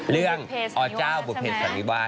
เรื่องอเจ้าบุรเภสสนิวา